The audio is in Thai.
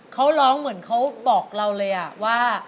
เขาร้องเหมือนเขาบอกเราเลยว่า